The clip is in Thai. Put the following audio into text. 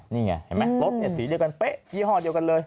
นี่ไงเห็นไหมรถสีเดียวกันเป๊ะยี่ห้อเดียวกันเลย